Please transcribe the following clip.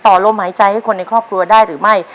ลมหายใจให้คนในครอบครัวได้หรือไม่